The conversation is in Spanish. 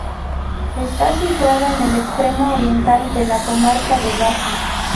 Está situada en el extremo oriental de la comarca de Baza.